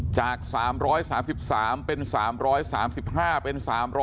จาก๓๓เป็น๓๓๕เป็น๓๐๐